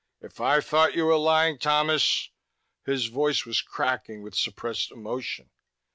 "If I thought you were lying, Thomas ..." His voice was cracking with suppressed emotion.